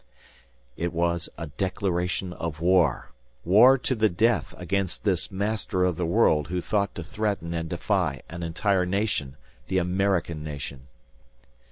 It was a declaration of war, war to the death against this "Master of the World" who thought to threaten and defy an entire nation, the American nation!